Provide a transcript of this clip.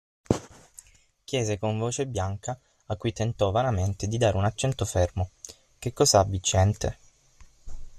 Chiese con voce bianca, a cui tentò vanamente di dare un accento fermo: Che cos'ha, Viciente?